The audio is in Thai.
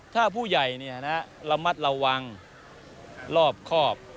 ถ้าผู้ใหญ่เนี้ยนะฮะระมัดระวังรอบคอบ